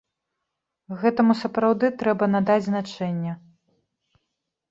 Гэтаму сапраўды трэба надаць значэнне.